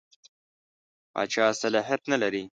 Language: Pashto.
پاچا صلاحیت نه لري.